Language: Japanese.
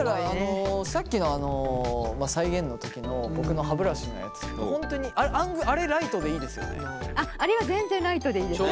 さっきの再現の時の僕の歯ブラシのやつって本当にあれライトでいいですよね。